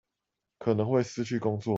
可能會失去工作